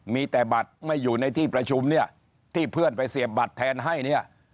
มีแต่บัตรไม่อยู่ในที่ประชุมเนี่ยที่เพื่อนไปเสียบบัตรแทนให้เนี่ย